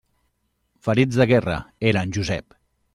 Ferits de guerra, eren, Josep!